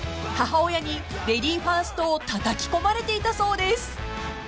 ［母親にレディーファーストをたたき込まれていたそうです］